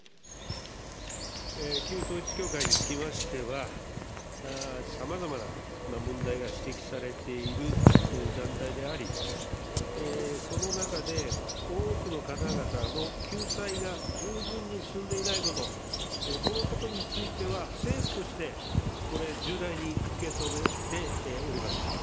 旧統一教会につきましては、さまざまな問題が指摘されている団体であり、その中で、多くの方々の救済が十分に進んでいないこと、このことについては、政府として、これ重大に受け止めております。